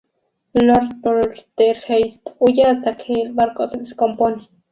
Lord Poltergeist huye hasta que el barco se descompone.